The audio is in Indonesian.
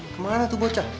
kemana tuh bocah